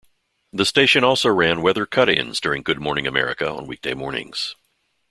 The station also ran weather cut-ins during "Good Morning America" on weekday mornings.